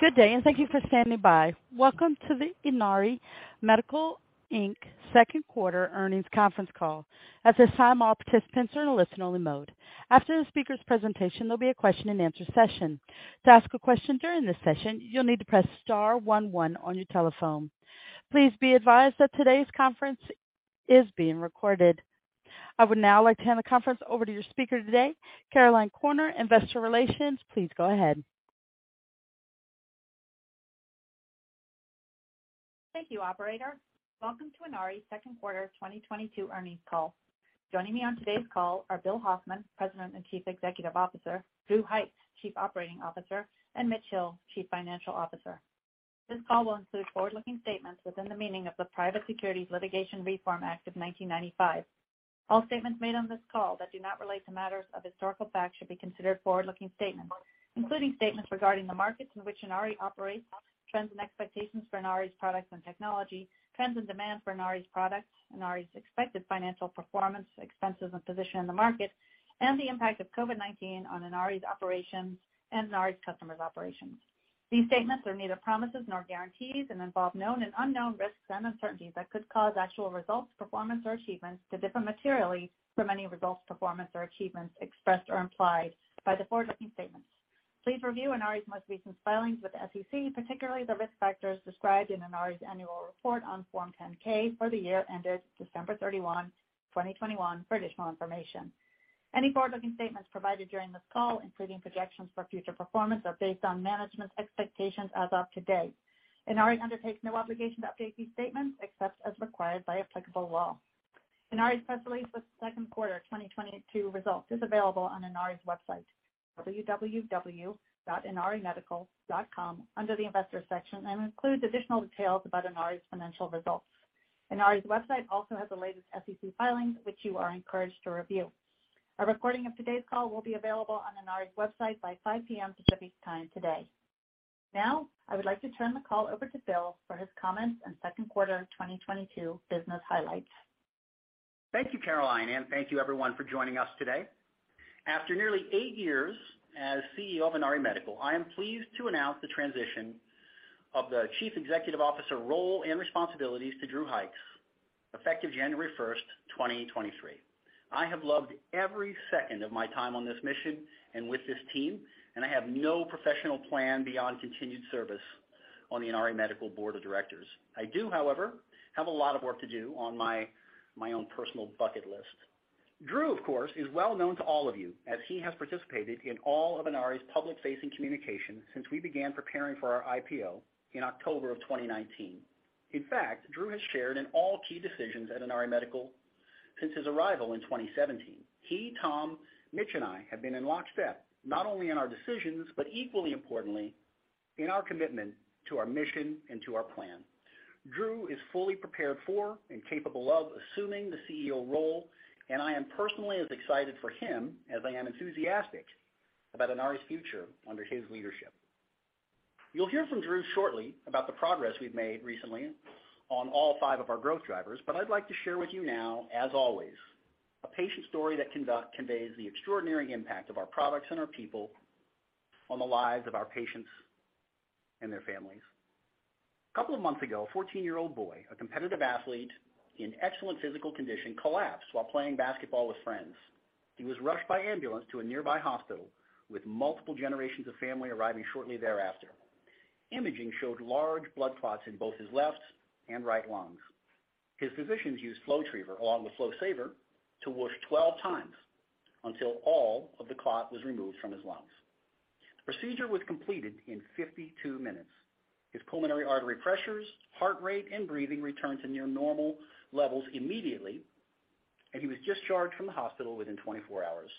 Good day, and thank you for standing by. Welcome to the Inari Medical, Inc. second quarter earnings conference call. At this time, all participants are in a listen only mode. After the speaker's presentation, there'll be a question and answer session. To ask a question during this session, you'll need to press star one one on your telephone. Please be advised that today's conference is being recorded. I would now like to hand the conference over to your speaker today, Caroline Corner, Investor Relations. Please go ahead. Thank you, operator. Welcome to Inari second quarter 2022 earnings call. Joining me on today's call are Bill Hoffman, President and Chief Executive Officer, Drew Hykes, Chief Operating Officer, and Mitch Hill, Chief Financial Officer. This call will include forward-looking statements within the meaning of the Private Securities Litigation Reform Act of 1995. All statements made on this call that do not relate to matters of historical fact should be considered forward-looking statements, including statements regarding the markets in which Inari operates, trends and expectations for Inari's products and technology, trends in demand for Inari's products, Inari's expected financial performance, expenses and position in the market, and the impact of COVID-19 on Inari's operations and Inari's customers' operations. These statements are neither promises nor guarantees, and involve known and unknown risks and uncertainties that could cause actual results, performance or achievements to differ materially from any results, performance or achievements expressed or implied by the forward-looking statements. Please review Inari's most recent filings with the SEC, particularly the risk factors described in Inari's annual report on Form 10-K for the year ended December 31, 2021 for additional information. Any forward-looking statements provided during this call, including projections for future performance, are based on management's expectations as of today. Inari undertakes no obligation to update these statements except as required by applicable law. Inari's press release with the second quarter 2022 results is available on Inari's website, www.inarimedical.com, under the investors section, and includes additional details about Inari's financial results. Inari's website also has the latest SEC filings, which you are encouraged to review. A recording of today's call will be available on Inari's website by 5 P.M. Pacific Time today. Now, I would like to turn the call over to Bill for his comments on second quarter 2022 business highlights. Thank you, Caroline, and thank you everyone for joining us today. After nearly eight years as CEO of Inari Medical, I am pleased to announce the transition of the Chief Executive Officer role and responsibilities to Drew Hykes, effective January 1, 2023. I have loved every second of my time on this mission and with this team, and I have no professional plan beyond continued service on the Inari Medical Board of Directors. I do, however, have a lot of work to do on my own personal bucket list. Drew, of course, is well known to all of you as he has participated in all of Inari's public-facing communications since we began preparing for our IPO in October of 2019. In fact, Drew has shared in all key decisions at Inari Medical since his arrival in 2017. He, Tom, Mitch and I have been in lockstep, not only in our decisions, but equally importantly, in our commitment to our mission and to our plan. Drew is fully prepared for and capable of assuming the CEO role, and I am personally as excited for him as I am enthusiastic about Inari's future under his leadership. You'll hear from Drew shortly about the progress we've made recently on all five of our growth drivers, but I'd like to share with you now, as always, a patient story that conveys the extraordinary impact of our products and our people on the lives of our patients and their families. A couple of months ago, a 14-year-old boy, a competitive athlete in excellent physical condition, collapsed while playing basketball with friends. He was rushed by ambulance to a nearby hospital with multiple generations of family arriving shortly thereafter. Imaging showed large blood clots in both his left and right lungs. His physicians used FlowTriever along with FlowSaver to whoosh 12 times until all of the clot was removed from his lungs. The procedure was completed in 52 minutes. His pulmonary artery pressures, heart rate and breathing returned to near normal levels immediately, and he was discharged from the hospital within 24 hours.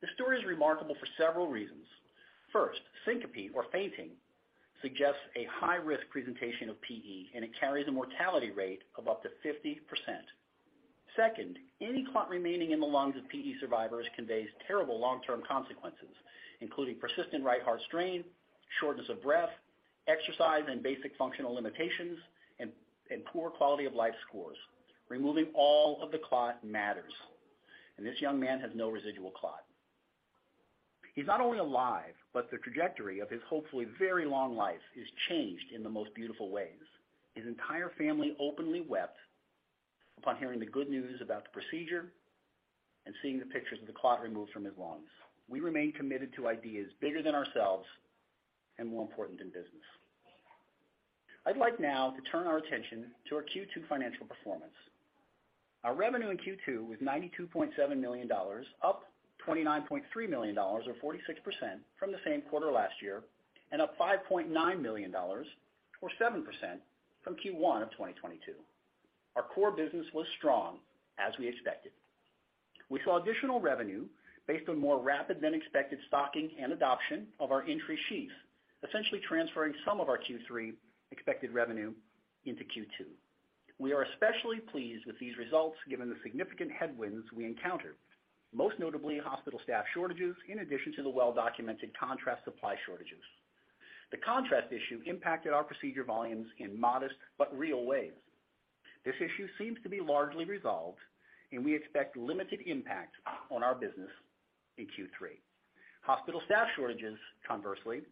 The story is remarkable for several reasons. First, syncope or fainting suggests a high risk presentation of PE, and it carries a mortality rate of up to 50%. Second, any clot remaining in the lungs of PE survivors conveys terrible long-term consequences, including persistent right heart strain, shortness of breath, exercise and basic functional limitations, and poor quality of life scores. Removing all of the clot matters, and this young man has no residual clot. He's not only alive, but the trajectory of his hopefully very long life is changed in the most beautiful ways. His entire family openly wept upon hearing the good news about the procedure and seeing the pictures of the clot removed from his lungs. We remain committed to ideas bigger than ourselves and more important than business. I'd like now to turn our attention to our Q2 financial performance. Our revenue in Q2 was $92.7 million, up $29.3 million or 46% from the same quarter last year, and up $5.9 million or 7% from Q1 of 2022. Our core business was strong as we expected. We saw additional revenue based on more rapid than expected stocking and adoption of our Entry sheath, essentially transferring some of our Q3 expected revenue into Q2. We are especially pleased with these results given the significant headwinds we encountered, most notably hospital staff shortages in addition to the well-documented contrast supply shortages. The contrast issue impacted our procedure volumes in modest but real ways. This issue seems to be largely resolved, and we expect limited impact on our business in Q3. Hospital staff shortages, conversely,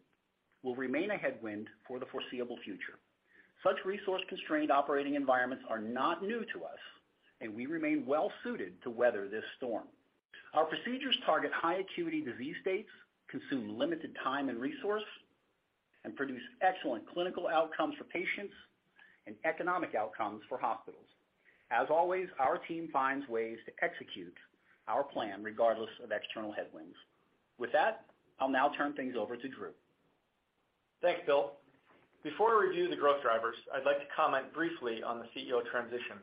will remain a headwind for the foreseeable future. Such resource-constrained operating environments are not new to us, and we remain well suited to weather this storm. Our procedures target high acuity disease states, consume limited time and resource, and produce excellent clinical outcomes for patients and economic outcomes for hospitals. As always, our team finds ways to execute our plan regardless of external headwinds. With that, I'll now turn things over to Drew. Thanks, Bill. Before we review the growth drivers, I'd like to comment briefly on the CEO transition.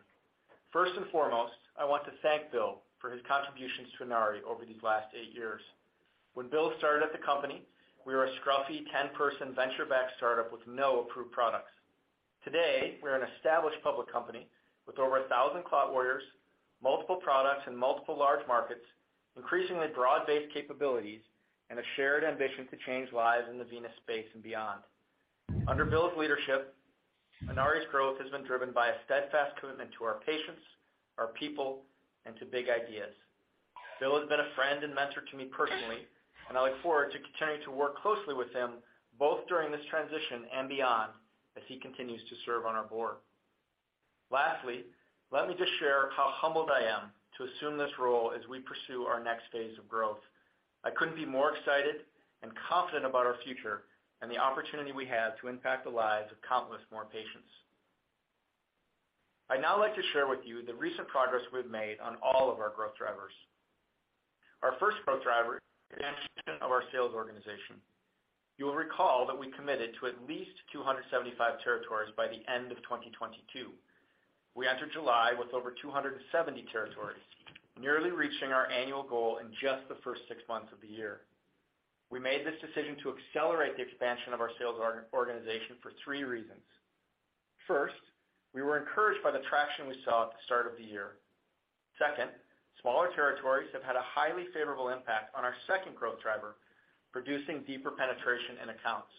First and foremost, I want to thank Bill for his contributions to Inari over these last eight years. When Bill started at the company, we were a scruffy 10-person venture-backed startup with no approved products. Today, we're an established public company with over 1,000 clot warriors, multiple products in multiple large markets, increasingly broad-based capabilities, and a shared ambition to change lives in the venous space and beyond. Under Bill's leadership, Inari's growth has been driven by a steadfast commitment to our patients, our people, and to big ideas. Bill has been a friend and mentor to me personally, and I look forward to continuing to work closely with him both during this transition and beyond as he continues to serve on our board. Lastly, let me just share how humbled I am to assume this role as we pursue our next phase of growth. I couldn't be more excited and confident about our future and the opportunity we have to impact the lives of countless more patients. I'd now like to share with you the recent progress we've made on all of our growth drivers. Our first growth driver, expansion of our sales organization. You'll recall that we committed to at least 275 territories by the end of 2022. We entered July with over 270 territories, nearly reaching our annual goal in just the first six months of the year. We made this decision to accelerate the expansion of our sales organization for three reasons. First, we were encouraged by the traction we saw at the start of the year. Second, smaller territories have had a highly favorable impact on our second growth driver, producing deeper penetration in accounts.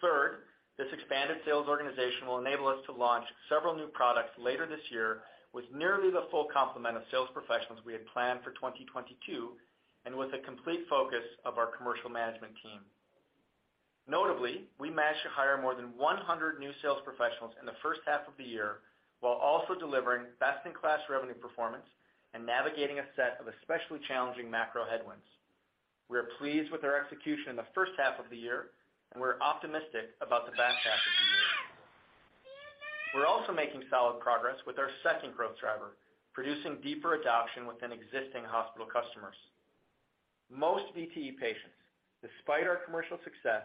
Third, this expanded sales organization will enable us to launch several new products later this year with nearly the full complement of sales professionals we had planned for 2022, and with the complete focus of our commercial management team. Notably, we managed to hire more than 100 new sales professionals in the first half of the year, while also delivering best-in-class revenue performance and navigating a set of especially challenging macro headwinds. We are pleased with our execution in the first half of the year, and we're optimistic about the back half of the year. We're also making solid progress with our second growth driver, producing deeper adoption within existing hospital customers. Most VTE patients, despite our commercial success,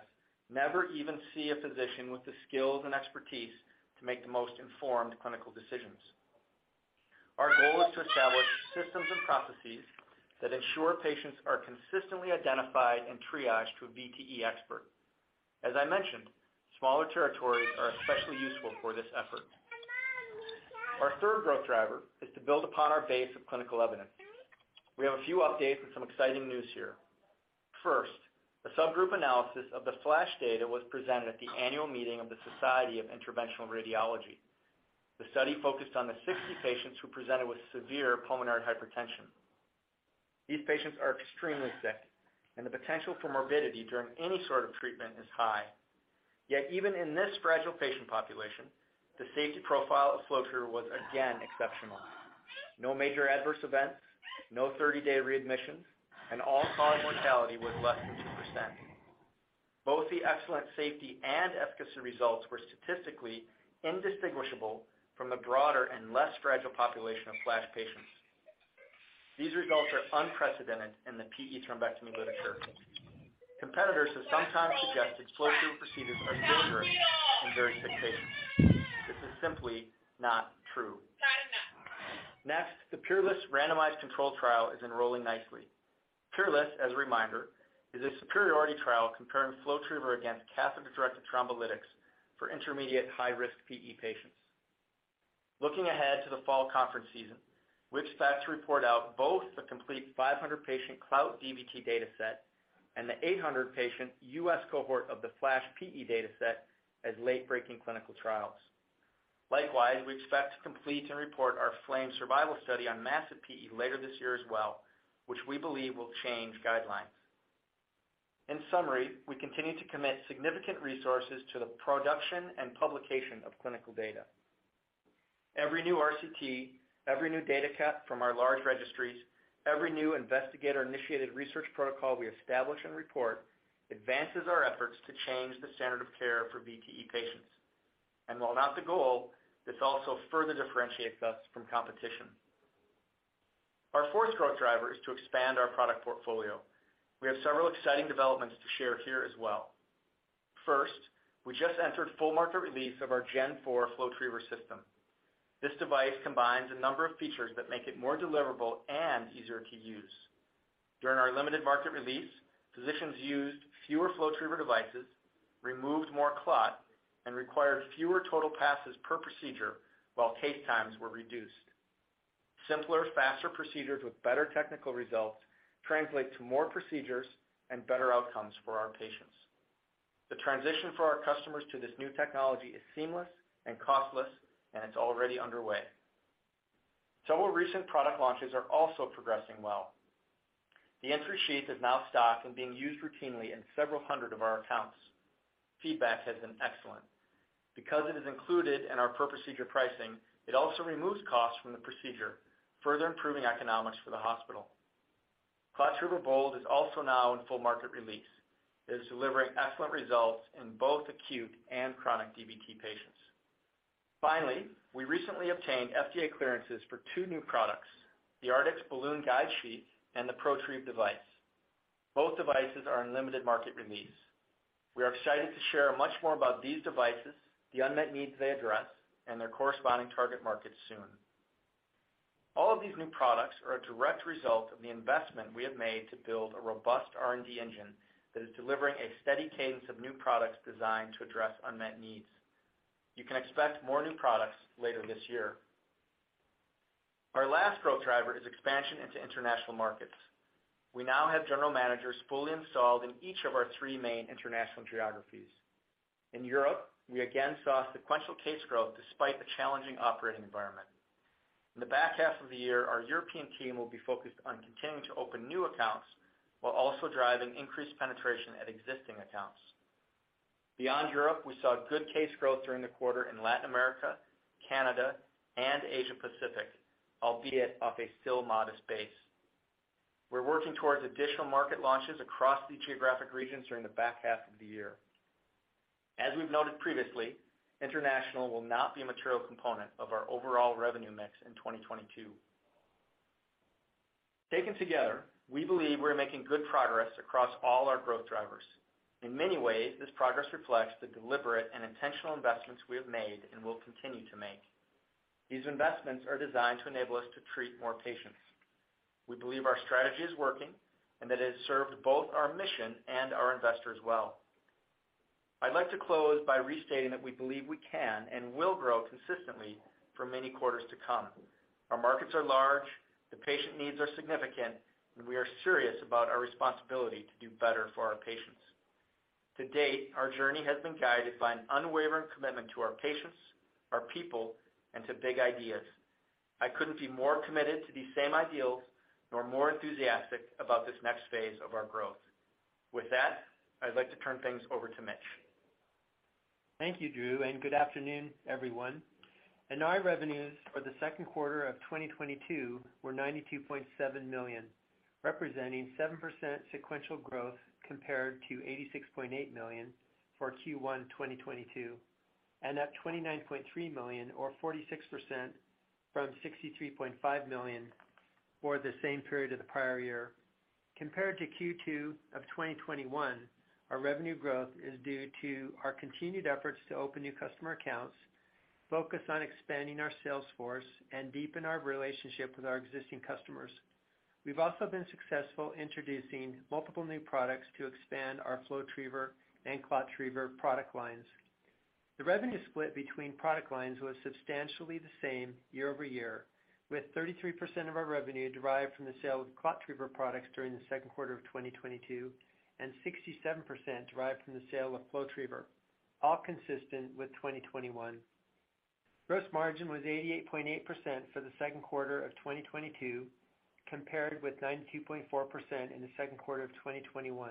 never even see a physician with the skills and expertise to make the most informed clinical decisions. Our goal is to establish systems and processes that ensure patients are consistently identified and triaged to a VTE expert. As I mentioned, smaller territories are especially useful for this effort. Our third growth driver is to build upon our base of clinical evidence. We have a few updates and some exciting news here. First, a subgroup analysis of the FLASH data was presented at the annual meeting of the Society of Interventional Radiology. The study focused on the 60 patients who presented with severe pulmonary hypertension. These patients are extremely sick, and the potential for morbidity during any sort of treatment is high. Yet even in this fragile patient population, the safety profile of FlowTriever was again exceptional. No major adverse events, no thirty-day readmissions, and all-cause mortality was less than 2%. Both the excellent safety and efficacy results were statistically indistinguishable from the broader and less fragile population of FLASH patients. These results are unprecedented in the PE thrombectomy literature. Competitors have sometimes suggested FlowTriever procedures are dangerous in very sick patients. This is simply not true. Next, the PEERLESS randomized controlled trial is enrolling nicely. PEERLESS, as a reminder, is a superiority trial comparing FlowTriever against catheter-directed thrombolytics for intermediate high-risk PE patients. Looking ahead to the fall conference season, we expect to report out both the complete 500-patient CLOUT DVT data set and the 800-patient US cohort of the FLASH PE data set as late-breaking clinical trials. Likewise, we expect to complete and report our FLAME survival study on massive PE later this year as well, which we believe will change guidelines. In summary, we continue to commit significant resources to the production and publication of clinical data. Every new RCT, every new data cut from our large registries, every new investigator-initiated research protocol we establish and report advances our efforts to change the standard of care for VTE patients. While not the goal, this also further differentiates us from competition. Our fourth growth driver is to expand our product portfolio. We have several exciting developments to share here as well. First, we just entered full market release of our Gen 4 FlowTriever system. This device combines a number of features that make it more deliverable and easier to use. During our limited market release, physicians used fewer FlowTriever devices, removed more clot, and required fewer total passes per procedure while case times were reduced. Simpler, faster procedures with better technical results translate to more procedures and better outcomes for our patients. The transition for our customers to this new technology is seamless and costless, and it's already underway. Several recent product launches are also progressing well. The Entry sheath is now stocked and being used routinely in several hundred of our accounts. Feedback has been excellent. Because it is included in our per-procedure pricing, it also removes costs from the procedure, further improving economics for the hospital. ClotTriever BOLD is also now in full market release. It is delivering excellent results in both acute and chronic DVT patients. Finally, we recently obtained FDA clearances for two new products, the Artix Balloon Guiding Sheath and the Protrieve device. Both devices are in limited market release. We are excited to share much more about these devices, the unmet needs they address, and their corresponding target markets soon. All of these new products are a direct result of the investment we have made to build a robust R&D engine that is delivering a steady cadence of new products designed to address unmet needs. You can expect more new products later this year. Our last growth driver is expansion into international markets. We now have general managers fully installed in each of our three main international geographies. In Europe, we again saw sequential case growth despite a challenging operating environment. In the back half of the year, our European team will be focused on continuing to open new accounts while also driving increased penetration at existing accounts. Beyond Europe, we saw good case growth during the quarter in Latin America, Canada, and Asia Pacific, albeit off a still modest base. We're working towards additional market launches across these geographic regions during the back half of the year. As we've noted previously, international will not be a material component of our overall revenue mix in 2022. Taken together, we believe we are making good progress across all our growth drivers. In many ways, this progress reflects the deliberate and intentional investments we have made and will continue to make. These investments are designed to enable us to treat more patients. We believe our strategy is working and that it has served both our mission and our investors well. I'd like to close by restating that we believe we can and will grow consistently for many quarters to come. Our markets are large, the patient needs are significant, and we are serious about our responsibility to do better for our patients. To date, our journey has been guided by an unwavering commitment to our patients, our people, and to big ideas. I couldn't be more committed to these same ideals, nor more enthusiastic about this next phase of our growth. With that, I'd like to turn things over to Mitch. Thank you, Drew, and good afternoon, everyone. Inari revenues for the second quarter of 2022 were $92.7 million, representing 7% sequential growth compared to $86.8 million for Q1 2022, and up $29.3 million or 46% from $63.5 million for the same period of the prior year. Compared to Q2 of 2021, our revenue growth is due to our continued efforts to open new customer accounts, focus on expanding our sales force, and deepen our relationship with our existing customers. We've also been successful introducing multiple new products to expand our FlowTriever and ClotTriever product lines. The revenue split between product lines was substantially the same year-over-year, with 33% of our revenue derived from the sale of ClotTriever products during the second quarter of 2022, and 67% derived from the sale of FlowTriever, all consistent with 2021. Gross margin was 88.8% for the second quarter of 2022, compared with 92.4% in the second quarter of 2021.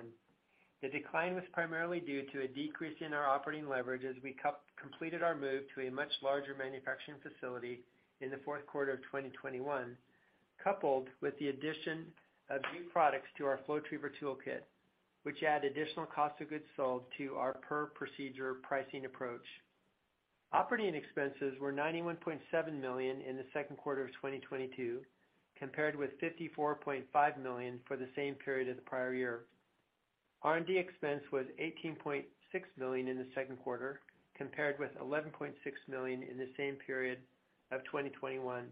The decline was primarily due to a decrease in our operating leverage as we completed our move to a much larger manufacturing facility in the fourth quarter of 2021, coupled with the addition of new products to our FlowTriever toolkit, which add additional cost of goods sold to our per procedure pricing approach. Operating expenses were $91.7 million in the second quarter of 2022, compared with $54.5 million for the same period of the prior year. R&D expense was $18.6 million in the second quarter, compared with $11.6 million in the same period of 2021.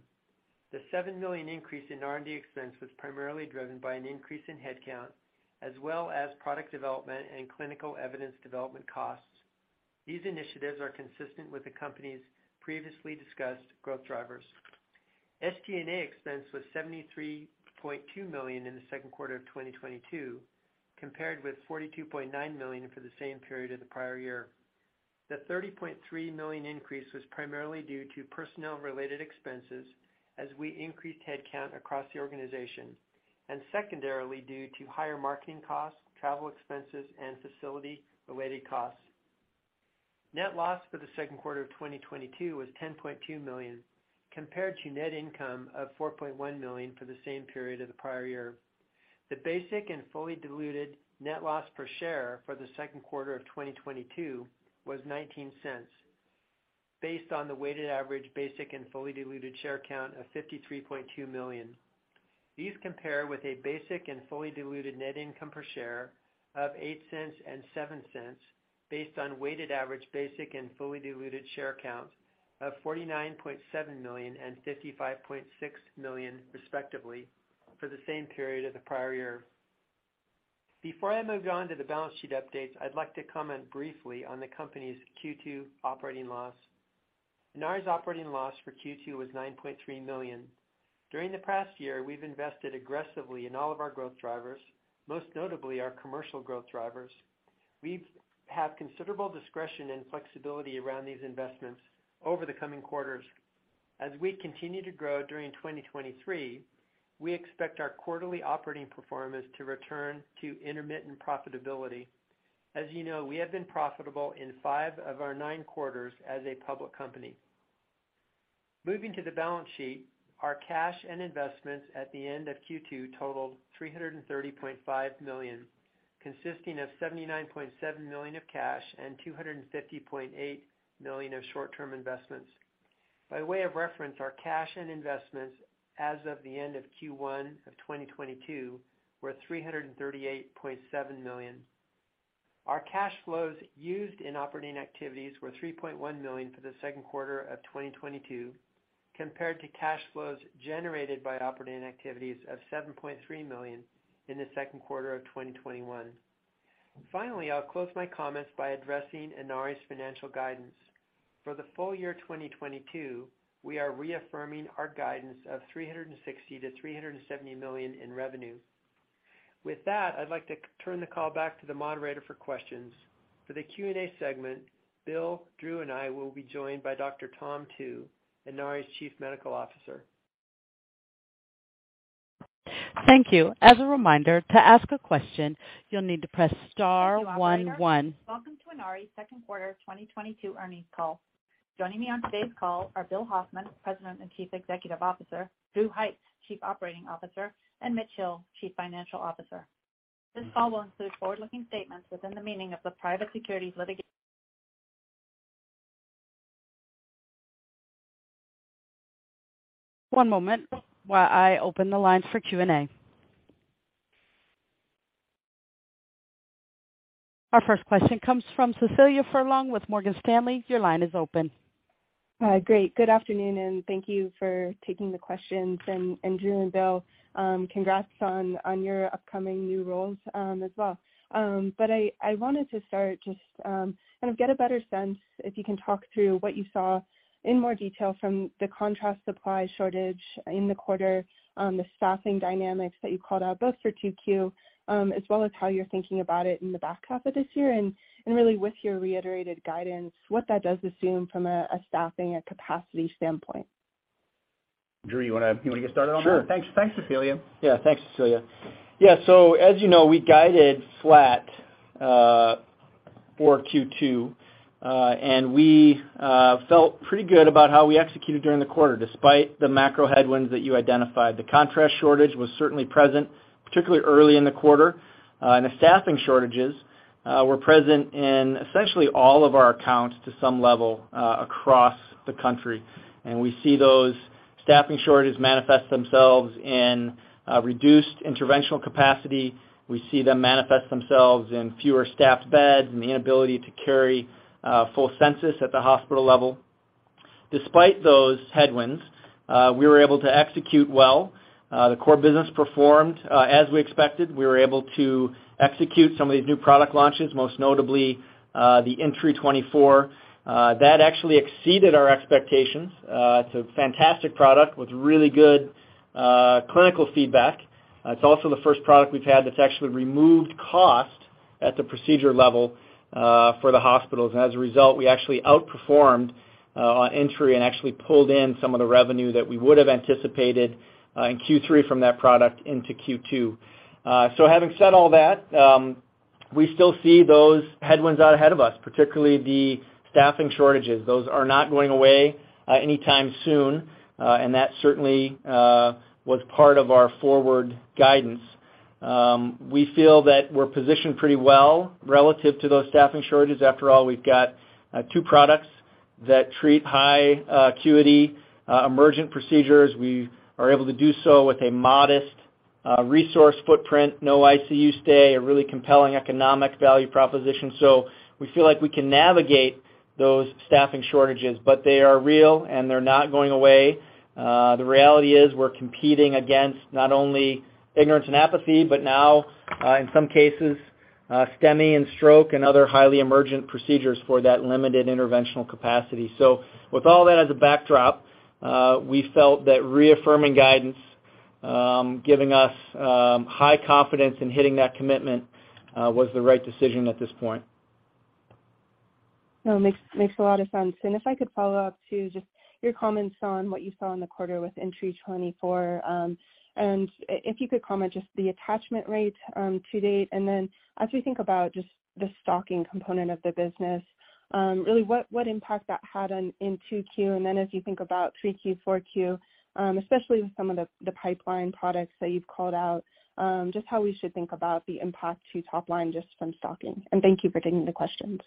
The $7 million increase in R&D expense was primarily driven by an increase in headcount, as well as product development and clinical evidence development costs. These initiatives are consistent with the company's previously discussed growth drivers. SG&A expense was $73.2 million in the second quarter of 2022, compared with $42.9 million for the same period of the prior year. The $30.3 million increase was primarily due to personnel-related expenses as we increased headcount across the organization, and secondarily due to higher marketing costs, travel expenses, and facility-related costs. Net loss for the second quarter of 2022 was $10.2 million, compared to net income of $4.1 million for the same period of the prior year. The basic and fully diluted net loss per share for the second quarter of 2022 was $0.19 based on the weighted average basic and fully diluted share count of 53.2 million. These compare with a basic and fully diluted net income per share of $0.08 and $0.07 based on weighted average basic and fully diluted share counts of 49.7 million and 55.6 million, respectively, for the same period of the prior year. Before I move on to the balance sheet updates, I'd like to comment briefly on the company's Q2 operating loss. Inari's operating loss for Q2 was $9.3 million. During the past year, we've invested aggressively in all of our growth drivers, most notably our commercial growth drivers. We have considerable discretion and flexibility around these investments over the coming quarters. As we continue to grow during 2023, we expect our quarterly operating performance to return to intermittent profitability. As you know, we have been profitable in 5 of our 9 quarters as a public company. Moving to the balance sheet, our cash and investments at the end of Q2 totaled $330.5 million, consisting of $79.7 million of cash and $250.8 million of short-term investments. By way of reference, our cash and investments as of the end of Q1 of 2022 were $338.7 million. Our cash flows used in operating activities were $3.1 million for the second quarter of 2022, compared to cash flows generated by operating activities of $7.3 million in the second quarter of 2021. Finally, I'll close my comments by addressing Inari's financial guidance. For the full year 2022, we are reaffirming our guidance of $360 million-$370 million in revenue. With that, I'd like to turn the call back to the moderator for questions. For the Q&A segment, Bill, Drew, and I will be joined by Dr. Tom Tu, Inari's Chief Medical Officer. Thank you. As a reminder, to ask a question, you'll need to press star one one. Thank you, operator. Welcome to Inari's second quarter 2022 earnings call. Joining me on today's call are Bill Hoffman, President and Chief Executive Officer, Drew Hykes, Chief Operating Officer, and Mitch Hill, Chief Financial Officer. This call will include forward-looking statements within the meaning of the Private Securities Litigation Reform Act of 1995. One moment while I open the lines for Q&A. Our first question comes from Cecilia Furlong with Morgan Stanley. Your line is open. Hi. Great. Good afternoon, and thank you for taking the questions. Drew and Bill, congrats on your upcoming new roles, as well. I wanted to start just kind of get a better sense if you can talk through what you saw in more detail from the contrast supply shortage in the quarter, the staffing dynamics that you called out both for Q2, as well as how you're thinking about it in the back half of this year and really with your reiterated guidance, what that does assume from a staffing and capacity standpoint. Drew, you wanna get started on that? Sure. Thanks, Cecilia. Yeah. Thanks, Cecilia. Yeah. As you know, we guided flat for Q2, and we felt pretty good about how we executed during the quarter, despite the macro headwinds that you identified. The contrast shortage was certainly present, particularly early in the quarter. The staffing shortages were present in essentially all of our accounts to some level across the country. We see those staffing shortages manifest themselves in reduced interventional capacity. We see them manifest themselves in fewer staffed beds and the inability to carry full census at the hospital level. Despite those headwinds, we were able to execute well. The core business performed as we expected. We were able to execute some of these new product launches, most notably the Inari 24. That actually exceeded our expectations. It's a fantastic product with really good clinical feedback. It's also the first product we've had that's actually removed cost at the procedure level for the hospitals. As a result, we actually outperformed on Entry and actually pulled in some of the revenue that we would have anticipated in Q3 from that product into Q2. Having said all that, we still see those headwinds out ahead of us, particularly the staffing shortages. Those are not going away anytime soon, and that certainly was part of our forward guidance. We feel that we're positioned pretty well relative to those staffing shortages. After all, we've got two products that treat high acuity emergent procedures. We are able to do so with a modest resource footprint, no ICU stay, a really compelling economic value proposition. We feel like we can navigate those staffing shortages, but they are real, and they're not going away. The reality is we're competing against not only ignorance and apathy, but now, in some cases, STEMI and stroke and other highly emergent procedures for that limited interventional capacity. With all that as a backdrop, we felt that reaffirming guidance, giving us high confidence in hitting that commitment, was the right decision at this point. No, makes a lot of sense. If I could follow up to just your comments on what you saw in the quarter with Inari 24, and if you could comment just the attachment rate to date, and then as we think about just the stocking component of the business, really what impact that had on 2Q? As you think about 3Q, 4Q, especially with some of the pipeline products that you've called out, just how we should think about the impact to top line just from stocking. Thank you for taking the questions.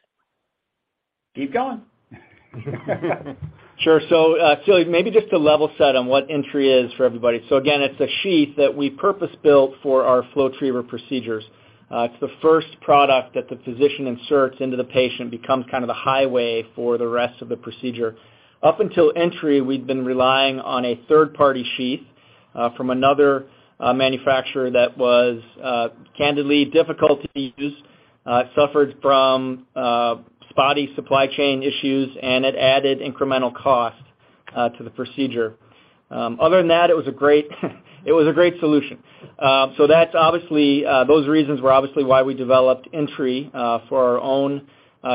Keep going. Sure. Cecilia, maybe just to level set on what Entry is for everybody. Again, it's a sheath that we purpose-built for our FlowTriever procedures. It's the first product that the physician inserts into the patient, becomes kind of the highway for the rest of the procedure. Up until Entry, we'd been relying on a third-party sheath from another manufacturer that was candidly difficult to use, suffered from spotty supply chain issues, and it added incremental cost to the procedure. Other than that, it was a great solution. Those reasons were obviously why we developed Entry for our own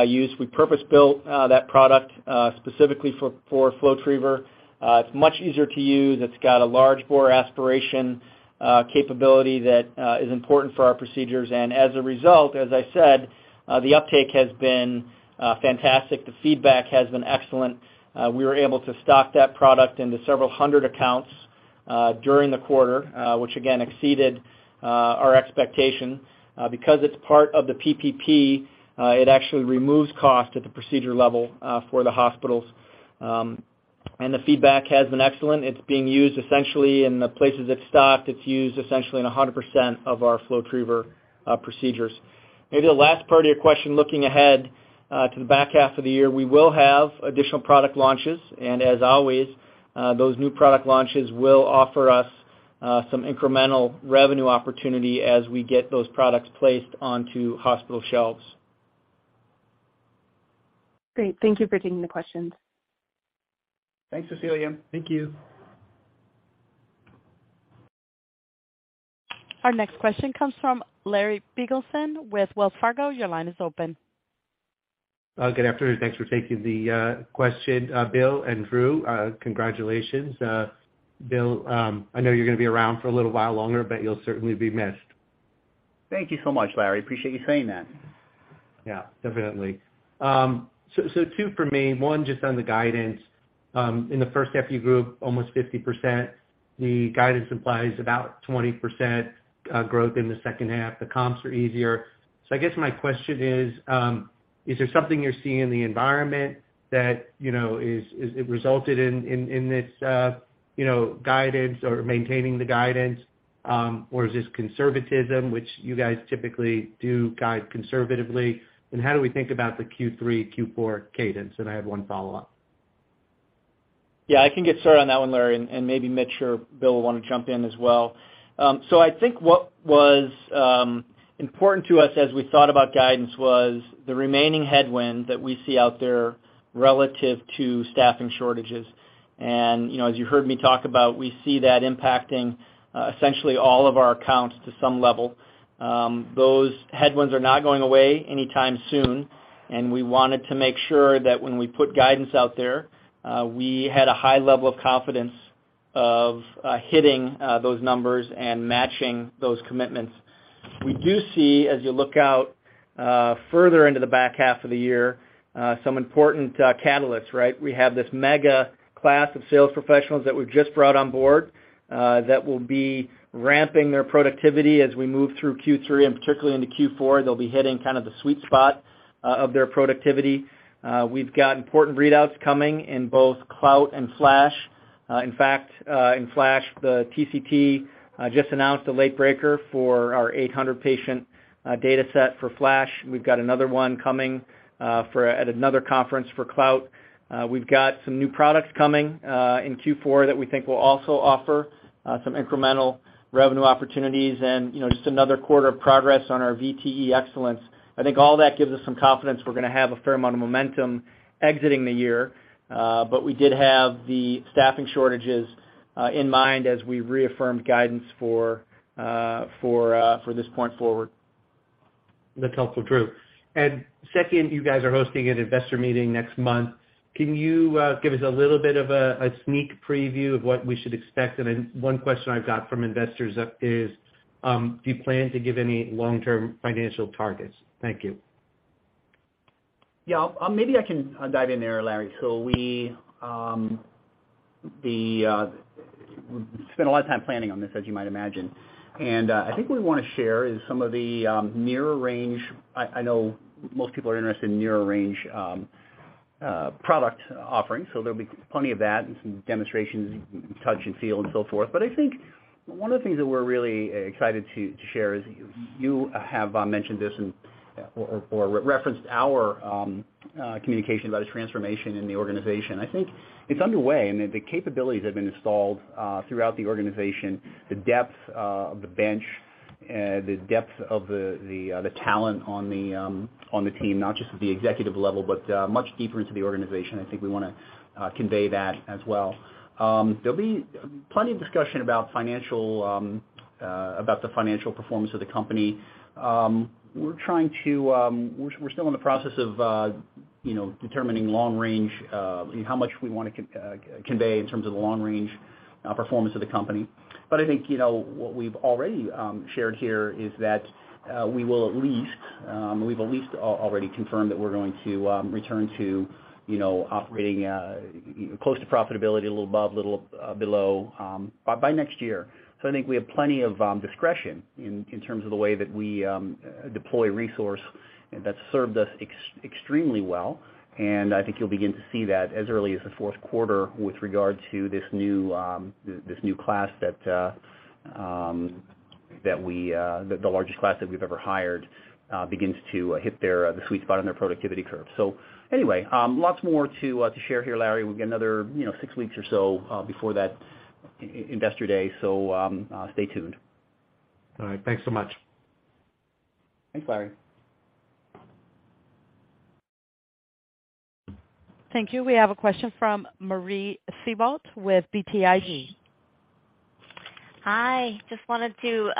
use. We purpose-built that product specifically for FlowTriever. It's much easier to use. It's got a large bore aspiration capability that is important for our procedures. As a result, as I said, the uptake has been fantastic. The feedback has been excellent. We were able to stock that product into several hundred accounts during the quarter, which again exceeded our expectation. Because it's part of the PPP, it actually removes cost at the procedure level for the hospitals. The feedback has been excellent. It's being used essentially in the places it's stocked. It's used essentially in 100% of our FlowTriever procedures. Maybe the last part of your question, looking ahead to the back half of the year, we will have additional product launches. As always, those new product launches will offer us some incremental revenue opportunity as we get those products placed onto hospital shelves. Great. Thank you for taking the questions. Thanks, Cecilia. Thank you. Our next question comes from Larry Biegelsen with Wells Fargo. Your line is open. Good afternoon. Thanks for taking the question, Bill and Drew. Congratulations. Bill, I know you're gonna be around for a little while longer, but you'll certainly be missed. Thank you so much, Larry. Appreciate you saying that. Yeah, definitely. Two for me. One, just on the guidance. In the first half, you grew almost 50%. The guidance implies about 20% growth in the second half. The comps are easier. I guess my question is there something you're seeing in the environment that, you know, is it resulted in this, you know, guidance or maintaining the guidance, or is this conservatism which you guys typically do guide conservatively? How do we think about the Q3, Q4 cadence? I have one follow-up. Yeah, I can get started on that one, Larry, and maybe Mitch or Bill will wanna jump in as well. I think what was important to us as we thought about guidance was the remaining headwind that we see out there relative to staffing shortages. You know, as you heard me talk about, we see that impacting essentially all of our accounts to some level. Those headwinds are not going away anytime soon, and we wanted to make sure that when we put guidance out there, we had a high level of confidence of hitting those numbers and matching those commitments. We do see, as you look out, further into the back half of the year, some important catalysts, right? We have this mega class of sales professionals that we've just brought on board that will be ramping their productivity as we move through Q3 and particularly into Q4. They'll be hitting kind of the sweet spot of their productivity. We've got important readouts coming in both CLOUT and FLASH. In fact, in FLASH, the TCT just announced a late breaker for our 800-patient data set for FLASH. We've got another one coming for at another conference for CLOUT. We've got some new products coming in Q4 that we think will also offer some incremental revenue opportunities and, you know, just another quarter of progress on our VTE Excellence. I think all that gives us some confidence we're gonna have a fair amount of momentum exiting the year, but we did have the staffing shortages in mind as we reaffirmed guidance for this point forward. That's helpful, Drew. Second, you guys are hosting an investor meeting next month. Can you give us a little bit of a sneak preview of what we should expect? One question I've got from investors is, do you plan to give any long-term financial targets? Thank you. Yeah. Maybe I can dive in there, Larry. We spent a lot of time planning on this, as you might imagine. I think what we wanna share is some of the near-term. I know most people are interested in near-term product offerings, so there'll be plenty of that and some demonstrations, touch and feel and so forth. I think one of the things that we're really excited to share is you have mentioned this and/or referenced our communication about a transformation in the organization. I think it's underway, the capabilities have been installed throughout the organization, the depth of the bench, the depth of the talent on the team, not just at the executive level, but much deeper into the organization. I think we wanna convey that as well. There'll be plenty of discussion about the financial performance of the company. We're still in the process of determining long range, how much we wanna convey in terms of the long range performance of the company. I think, you know, what we've already shared here is that we've already confirmed that we're going to return to, you know, operating close to profitability, a little above, little below by next year. I think we have plenty of discretion in terms of the way that we deploy resources, and that's served us extremely well. I think you'll begin to see that as early as the fourth quarter with regard to this new class, the largest class that we've ever hired, begins to hit the sweet spot on their productivity curve. Anyway, lots more to share here, Larry. We'll get another, you know, six weeks or so before that investor day. Stay tuned. All right. Thanks so much. Thanks, Larry. Thank you. We have a question from Marie Thibault with BTIG. Hi. Just wanted to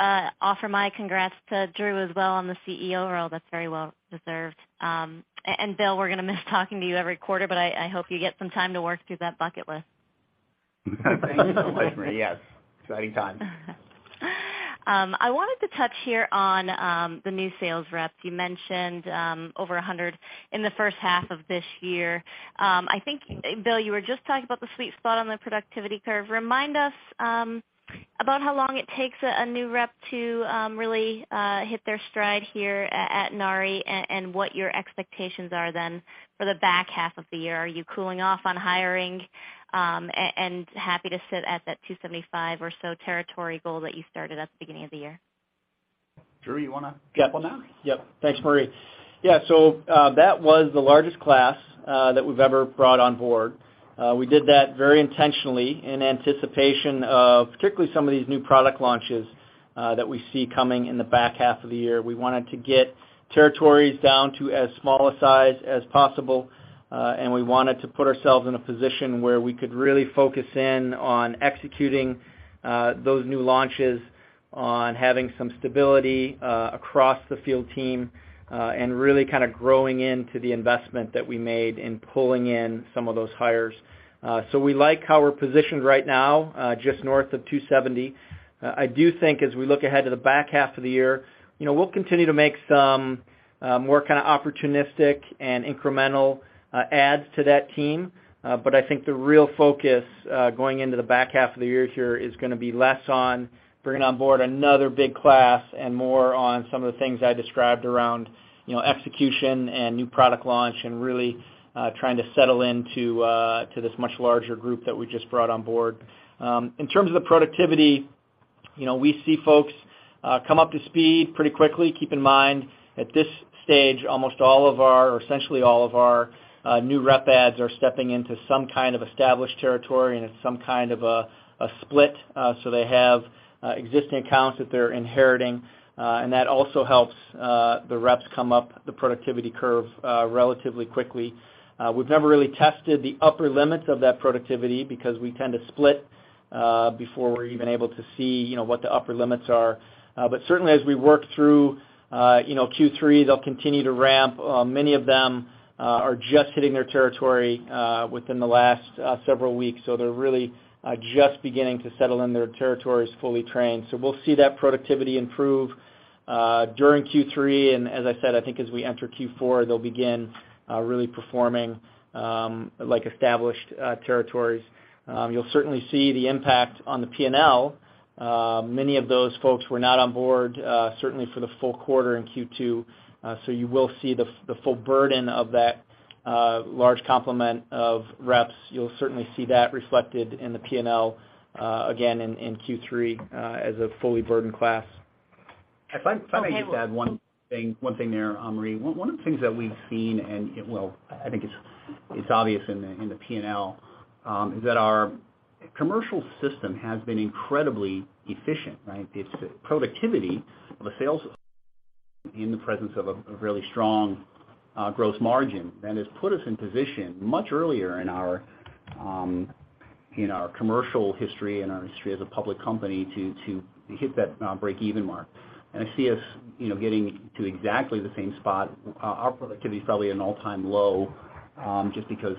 offer my congrats to Drew as well on the CEO role. That's very well deserved. Bill, we're gonna miss talking to you every quarter, but I hope you get some time to work through that bucket list. Thanks so much, Marie. Yes, exciting time. I wanted to touch here on the new sales reps. You mentioned over 100 in the first half of this year. I think, Bill, you were just talking about the sweet spot on the productivity curve. Remind us about how long it takes a new rep to really hit their stride here at Inari and what your expectations are then for the back half of the year. Are you cooling off on hiring and happy to sit at that 275 or so territory goal that you started at the beginning of the year? Drew, you wanna- Yeah Jump on that? Yep. Thanks, Marie. Yeah. That was the largest class that we've ever brought on board. We did that very intentionally in anticipation of particularly some of these new product launches that we see coming in the back half of the year. We wanted to get territories down to as small a size as possible, and we wanted to put ourselves in a position where we could really focus in on executing those new launches, on having some stability across the field team, and really kinda growing into the investment that we made in pulling in some of those hires. We like how we're positioned right now, just north of 270. I do think as we look ahead to the back half of the year, you know, we'll continue to make some more kinda opportunistic and incremental adds to that team. I think the real focus going into the back half of the year here is gonna be less on bringing on board another big class and more on some of the things I described around, you know, execution and new product launch, and really trying to settle into this much larger group that we just brought on board. In terms of the productivity, you know, we see folks come up to speed pretty quickly. Keep in mind, at this stage, almost all of our, or essentially all of our, new rep adds are stepping into some kind of established territory, and it's some kind of a split. They have existing accounts that they're inheriting, and that also helps the reps come up the productivity curve relatively quickly. We've never really tested the upper limits of that productivity because we tend to split before we're even able to see, you know, what the upper limits are. Certainly as we work through, you know, Q3, they'll continue to ramp. Many of them are just hitting their territory within the last several weeks, so they're really just beginning to settle in their territories fully trained. We'll see that productivity improve during Q3, and as I said, I think as we enter Q4, they'll begin really performing like established territories. You'll certainly see the impact on the P&L. Many of those folks were not on board, certainly for the full quarter in Q2, so you will see the full burden of that large complement of reps. You'll certainly see that reflected in the P&L, again in Q3, as a fully burdened class. If I- Okay. If I may just add one thing there, Marie. One of the things that we've seen, I think it's obvious in the P&L, is that our commercial system has been incredibly efficient, right? Its productivity of our sales in the presence of really strong gross margin, and has put us in position much earlier in our commercial history and our history as a public company to hit that break-even mark. I see us, you know, getting to exactly the same spot. Our productivity is probably at an all-time low, just because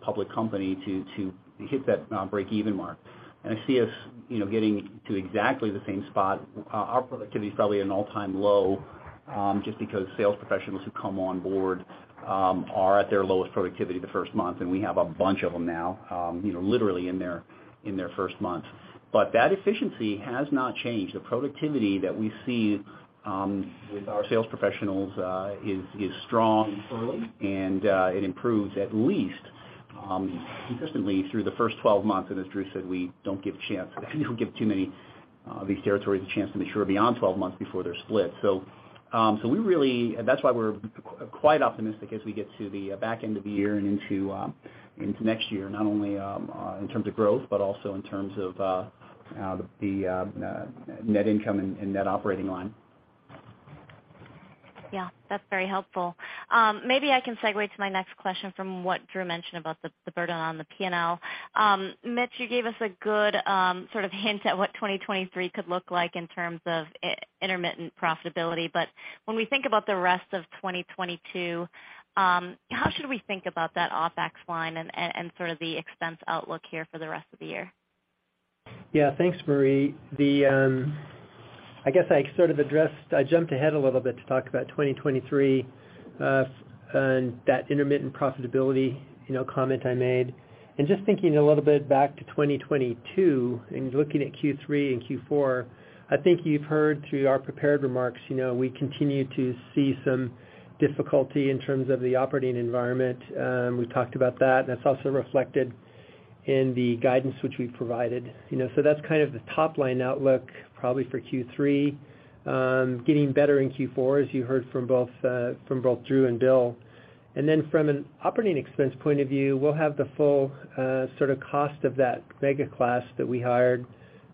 public company to hit that break-even mark. I see us, you know, getting to exactly the same spot. Our productivity is probably at an all-time low, just because sales professionals who come on board are at their lowest productivity the first month, and we have a bunch of them now, you know, literally in their first month. That efficiency has not changed. The productivity that we see with our sales professionals is strong early and it improves at least consistently through the first 12 months. As Drew said, we don't give chance, we don't give too many these territories a chance to mature beyond 12 months before they're split. That's why we're quite optimistic as we get to the back end of the year and into next year, not only in terms of growth, but also in terms of the net income and net operating line. Yeah, that's very helpful. Maybe I can segue to my next question from what Drew mentioned about the burden on the P&L. Mitch, you gave us a good sort of hint at what 2023 could look like in terms of intermittent profitability. When we think about the rest of 2022, how should we think about that OpEx line and sort of the expense outlook here for the rest of the year? Yeah. Thanks, Marie. I guess I sort of addressed, I jumped ahead a little bit to talk about 2023 and that intermittent profitability, you know, comment I made. Just thinking a little bit back to 2022 and looking at Q3 and Q4, I think you've heard through our prepared remarks, you know, we continue to see some difficulty in terms of the operating environment. We've talked about that, and it's also reflected in the guidance which we provided. You know, so that's kind of the top-line outlook probably for Q3. Getting better in Q4, as you heard from both Drew and Bill. Then from an operating expense point of view, we'll have the full sort of cost of that mega class that we hired,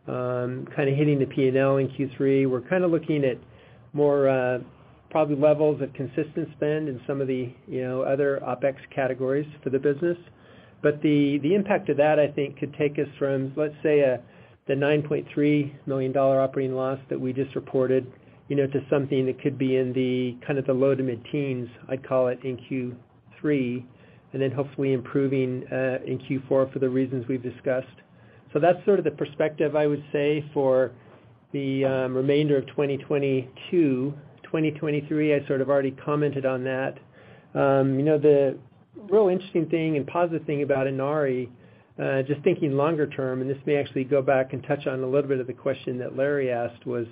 kinda hitting the P&L in Q3. We're kinda looking at more probably levels of consistent spend in some of the, you know, other OpEx categories for the business. The impact of that, I think, could take us from, let's say, the $9.3 million operating loss that we just reported, you know, to something that could be in the kind of low to mid-teens, I'd call it, in Q3, and then hopefully improving in Q4 for the reasons we've discussed. That's sort of the perspective I would say for the remainder of 2022. 2023, I sort of already commented on that. You know, the real interesting thing and positive thing about Inari, just thinking longer term, and this may actually go back and touch on a little bit of the question that Larry asked, was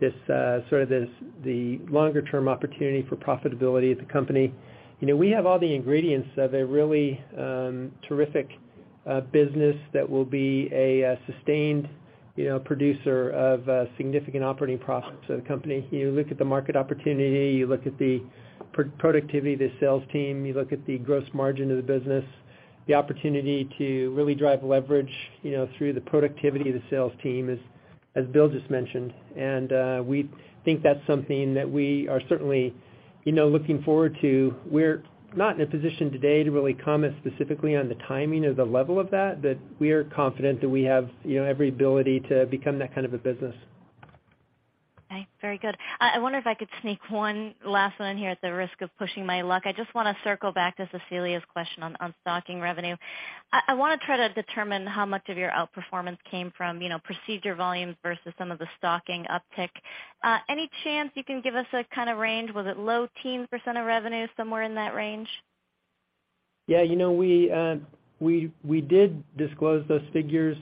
the longer term opportunity for profitability of the company. You know, we have all the ingredients of a really terrific business that will be a sustained, you know, producer of significant operating profits of the company. You look at the market opportunity, you look at the productivity of the sales team, you look at the gross margin of the business, the opportunity to really drive leverage, you know, through the productivity of the sales team, as Bill just mentioned. We think that's something that we are certainly, you know, looking forward to. We're not in a position today to really comment specifically on the timing or the level of that, but we are confident that we have, you know, every ability to become that kind of a business. Okay. Very good. I wonder if I could sneak one last one in here at the risk of pushing my luck. I just wanna circle back to Cecilia's question on stocking revenue. I wanna try to determine how much of your outperformance came from, you know, procedure volumes versus some of the stocking uptick. Any chance you can give us a kind of range? Was it low teens % of revenue, somewhere in that range? Yeah. You know, we did disclose those figures,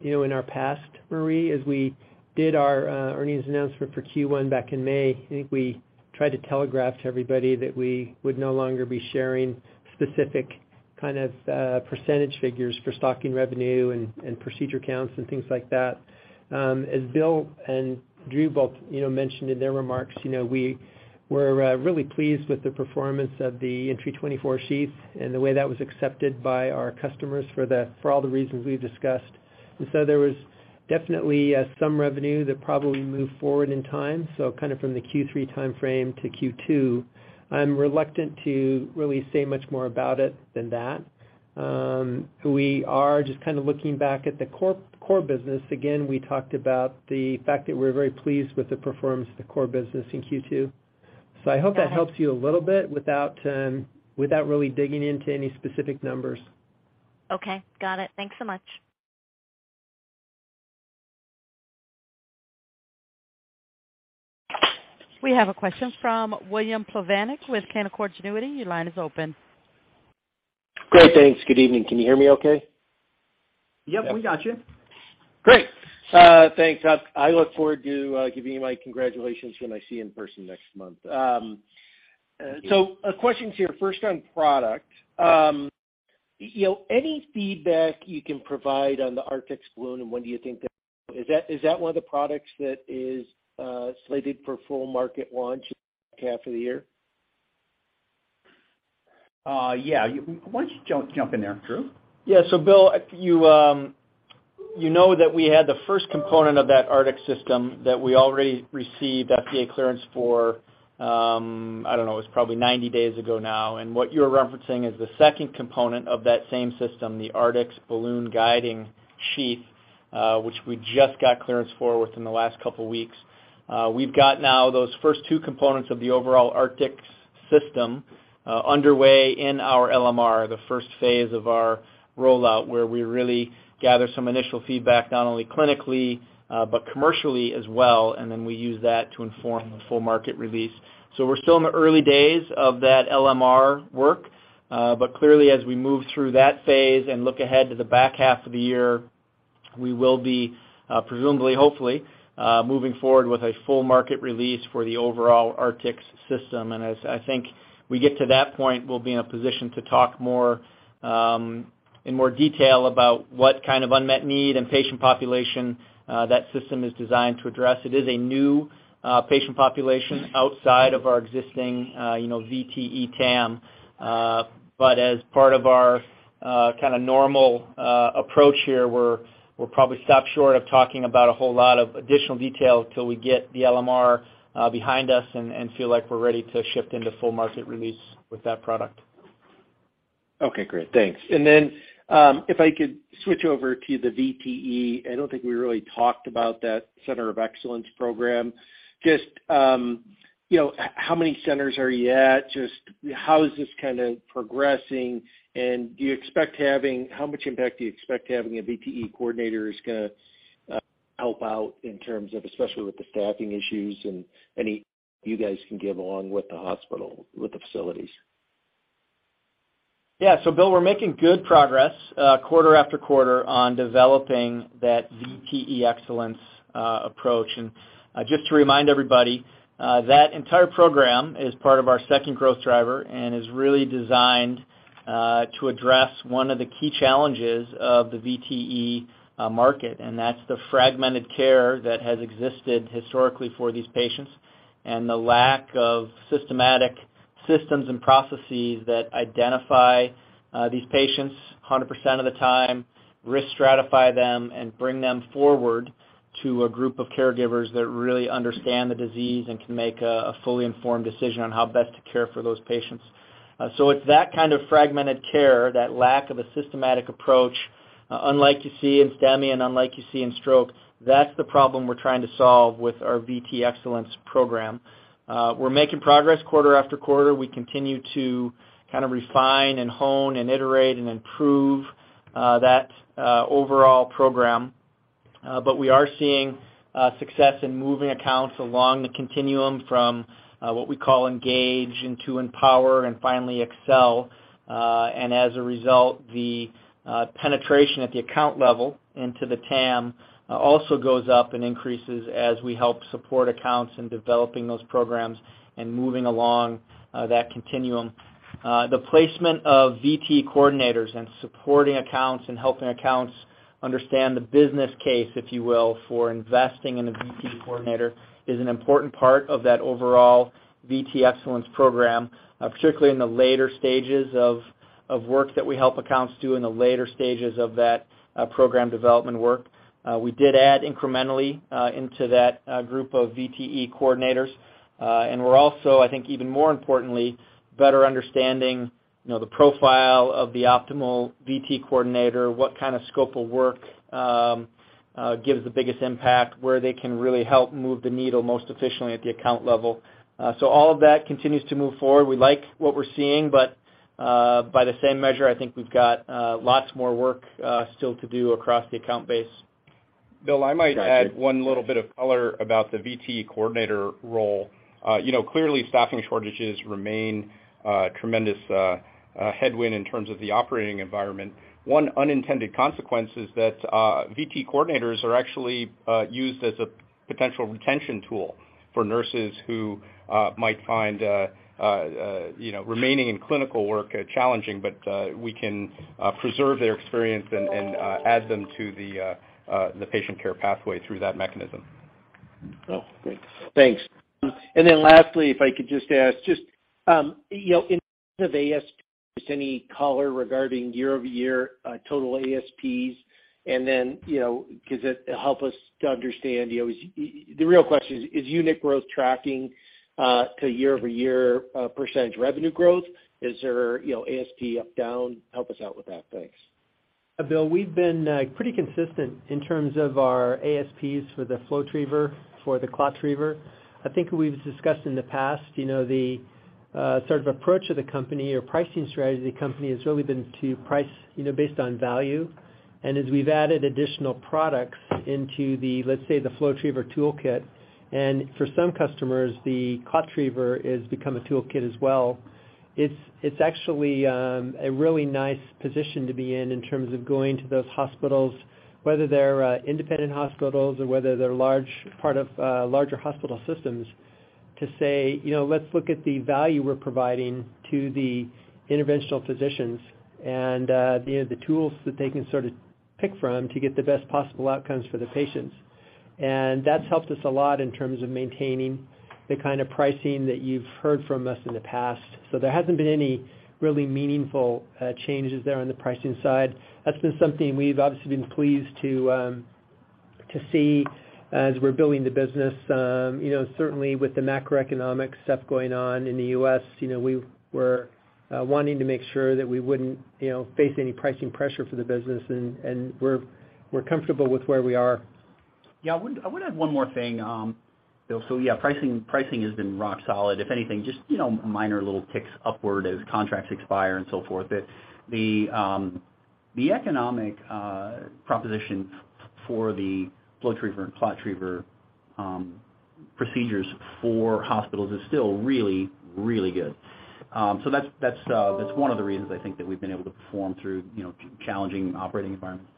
you know, in our past, Marie, as we did our earnings announcement for Q1 back in May. I think we tried to telegraph to everybody that we would no longer be sharing specific kind of percentage figures for stocking revenue and procedure counts and things like that. As Bill and Drew both, you know, mentioned in their remarks, you know, we were really pleased with the performance of the Entry 24 sheath and the way that was accepted by our customers for all the reasons we've discussed. There was definitely some revenue that probably moved forward in time, so kind of from the Q3 timeframe to Q2. I'm reluctant to really say much more about it than that. We are just kind of looking back at the core business. Again, we talked about the fact that we're very pleased with the performance of the core business in Q2. Got it. I hope that helps you a little bit without really digging into any specific numbers. Okay. Got it. Thanks so much. We have a question from William Plovanic with Canaccord Genuity. Your line is open. Great. Thanks. Good evening. Can you hear me okay? Yep, we got you. Great. Thanks. I look forward to giving you my congratulations when I see you in person next month. A question to you, first on product. You know, any feedback you can provide on the Artix balloon. Is that one of the products that is slated for full market launch half of the year? Yeah. Why don't you jump in there, Drew? Yeah. Will, you know that we had the first component of that Artix system that we already received FDA clearance for. I don't know, it was probably 90 days ago now. What you're referencing is the second component of that same system, the Artix Balloon Guiding Sheath, which we just got clearance for within the last couple weeks. We've got now those first two components of the overall Artix system, underway in our LMR, the first phase of our rollout, where we really gather some initial feedback, not only clinically, but commercially as well, and then we use that to inform the full market release. We're still in the early days of that LMR work. Clearly, as we move through that phase and look ahead to the back half of the year, we will be, presumably, hopefully, moving forward with a full market release for the overall Artix system. As I think we get to that point, we'll be in a position to talk more, in more detail about what kind of unmet need and patient population that system is designed to address. It is a new patient population outside of our existing, you know, VTE TAM. As part of our kinda normal approach here, we'll probably stop short of talking about a whole lot of additional detail till we get the LMR behind us and feel like we're ready to shift into full market release with that product. Okay, great. Thanks. If I could switch over to the VTE. I don't think we really talked about that Center of Excellence program. Just, you know, how many centers are you at? Just how is this kinda progressing? How much impact do you expect having a VTE coordinator is gonna help out in terms of, especially with the staffing issues and any you guys can give along with the hospital, with the facilities? Yeah. Will, we're making good progress, quarter after quarter on developing that VTE Excellence approach. Just to remind everybody, that entire program is part of our second growth driver and is really designed To address one of the key challenges of the VTE market, and that's the fragmented care that has existed historically for these patients and the lack of systematic systems and processes that identify these patients 100% of the time, risk stratify them, and bring them forward to a group of caregivers that really understand the disease and can make a fully informed decision on how best to care for those patients. It's that kind of fragmented care, that lack of a systematic approach, unlike you see in STEMI and unlike you see in stroke, that's the problem we're trying to solve with our VTE Excellence program. We're making progress quarter after quarter. We continue to kind of refine and hone and iterate and improve that overall program. We are seeing success in moving accounts along the continuum from what we call engage into empower and finally excel. As a result, the penetration at the account level into the TAM also goes up and increases as we help support accounts in developing those programs and moving along that continuum. The placement of VTE coordinators and supporting accounts and helping accounts understand the business case, if you will, for investing in a VTE coordinator is an important part of that overall VTE Excellence program, particularly in the later stages of work that we help accounts do in the later stages of that program development work. We did add incrementally into that group of VTE coordinators. We're also, I think, even more importantly, better understanding, you know, the profile of the optimal VTE coordinator, what kind of scope of work gives the biggest impact, where they can really help move the needle most efficiently at the account level. All of that continues to move forward. We like what we're seeing, but by the same measure, I think we've got lots more work still to do across the account base. Bill, I might add one little bit of color about the VTE coordinator role. You know, clearly, staffing shortages remain tremendous, a headwind in terms of the operating environment. One unintended consequence is that VTE coordinators are actually used as a potential retention tool for nurses who might find you know, remaining in clinical work challenging, but we can preserve their experience and add them to the patient care pathway through that mechanism. Oh, great. Thanks. Lastly, if I could just ask, you know, in terms of ASPs, any color regarding year-over-year total ASPs, and then, you know, because it'll help us to understand, you know, the real question is, unit growth tracking to year-over-year percentage revenue growth? Is there, you know, ASP up, down? Help us out with that. Thanks. Bill, we've been pretty consistent in terms of our ASPs for the FlowTriever, for the ClotTriever. I think we've discussed in the past, you know, the sort of approach of the company or pricing strategy of the company has really been to price, you know, based on value. As we've added additional products into the, let's say, the FlowTriever toolkit, and for some customers, the ClotTriever is become a toolkit as well. It's actually a really nice position to be in in terms of going to those hospitals, whether they're independent hospitals or whether they're large part of larger hospital systems to say, you know, let's look at the value we're providing to the interventional physicians and, you know, the tools that they can sort of pick from to get the best possible outcomes for the patients. That's helped us a lot in terms of maintaining the kind of pricing that you've heard from us in the past. There hasn't been any really meaningful changes there on the pricing side. That's been something we've obviously been pleased to see as we're building the business. You know, certainly with the macroeconomic stuff going on in the US, you know, we were wanting to make sure that we wouldn't, you know, face any pricing pressure for the business, and we're comfortable with where we are. Yeah. I would add one more thing, Bill. Yeah, pricing has been rock solid. If anything, just you know minor little ticks upward as contracts expire and so forth. But the economic proposition for the FlowTriever and ClotTriever procedures for hospitals is still really good. That's one of the reasons I think that we've been able to perform through you know challenging operating environments.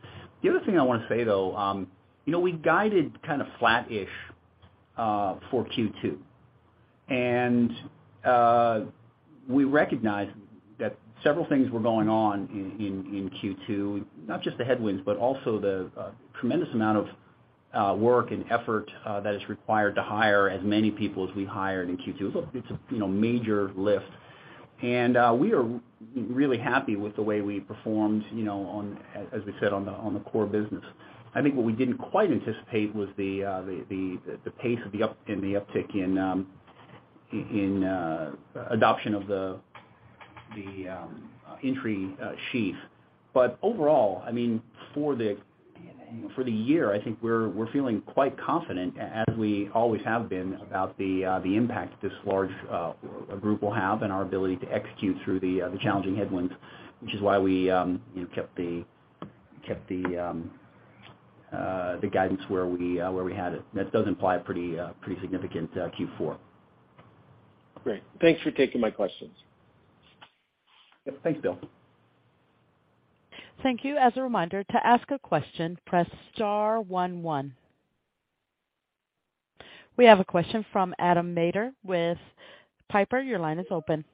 The other thing I want to say, though, you know, we guided kind of flat-ish for Q2. We recognized that several things were going on in Q2, not just the headwinds, but also the tremendous amount of work and effort that is required to hire as many people as we hired in Q2. It's a you know major lift. We are really happy with the way we performed, you know, as we said, on the core business. I think what we didn't quite anticipate was the pace of the uptake in adoption of the Entry sheath. Overall, I mean, for the year, I think we're feeling quite confident as we always have been about the impact this large group will have and our ability to execute through the challenging headwinds, which is why we, you know, kept the guidance where we had it. That does imply a pretty significant Q4. Great. Thanks for taking my questions. Yep. Thanks, Bill. Thank you. As a reminder, to ask a question, press star one. We have a question from Adam Maeder with Piper Sandler. Your line is open.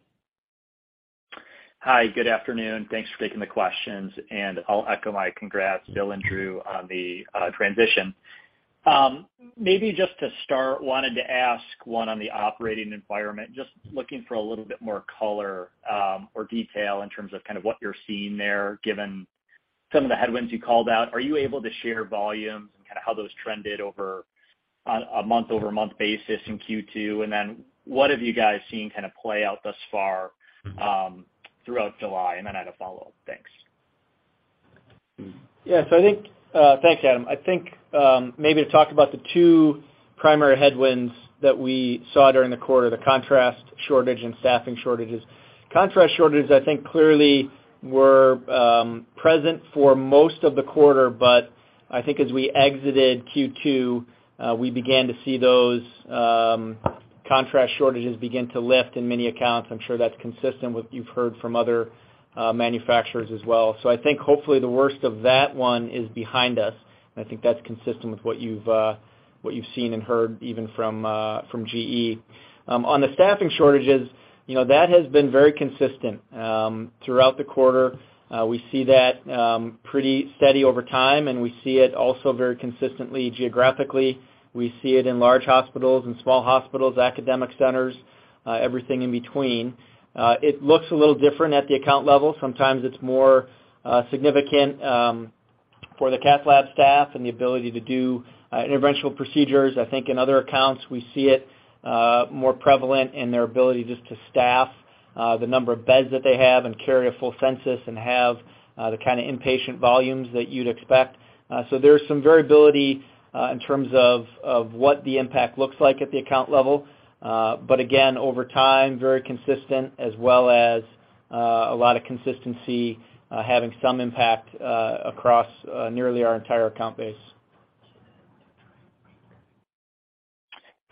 Hi, good afternoon. Thanks for taking the questions, and I'll echo my congrats, Bill and Drew, on the transition. Maybe just to start, wanted to ask one on the operating environment, just looking for a little bit more color, or detail in terms of kind of what you're seeing there, given some of the headwinds you called out. Are you able to share volumes and kinda how those trended over on a month-over-month basis in Q2? What have you guys seen kind of play out thus far, throughout July? I had a follow-up. Thanks. Yes. I think, Thanks, Adam. I think, maybe to talk about the two primary headwinds that we saw during the quarter, the contrast shortage and staffing shortages. Contrast shortages, I think, clearly were present for most of the quarter, but I think as we exited Q2, we began to see those contrast shortages begin to lift in many accounts. I'm sure that's consistent with what you've heard from other manufacturers as well. So I think hopefully the worst of that one is behind us. I think that's consistent with what you've seen and heard even from GE. On the staffing shortages, you know, that has been very consistent throughout the quarter. We see that pretty steady over time, and we see it also very consistently geographically. We see it in large hospitals and small hospitals, academic centers, everything in between. It looks a little different at the account level. Sometimes it's more significant for the cath lab staff and the ability to do interventional procedures. I think in other accounts, we see it more prevalent in their ability just to staff the number of beds that they have and carry a full census and have the kinda inpatient volumes that you'd expect. There's some variability in terms of what the impact looks like at the account level. Again, over time, very consistent as well as a lot of consistency having some impact across nearly our entire account base.